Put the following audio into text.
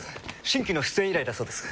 新規の出演依頼だそうです。